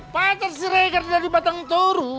patang siregar dari batang toru